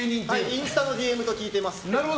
インスタのＤＭと聞いております。